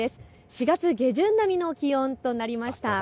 ４月下旬並みの気温となりました。